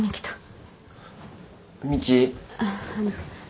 あっあの。